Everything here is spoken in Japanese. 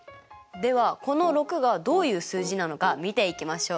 ではこの６がどういう数字なのか見ていきましょう。